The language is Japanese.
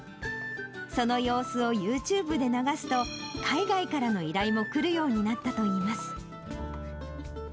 その様子をユーチューブで流すと、海外からの依頼もくるようになったといいます。